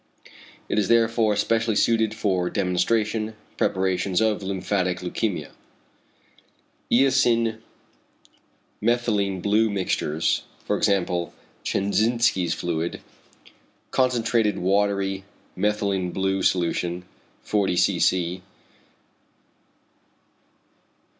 It is therefore specially suited for demonstration preparations of lymphatic leukæmia. 4. Eosin methylene blue mixtures, for example Chenzinsky's fluid: Concentrated watery methylene blue solution 40 c.c.